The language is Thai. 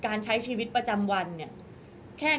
ก็ต้องฝากพี่สื่อมวลชนในการติดตามเนี่ยแหละค่ะ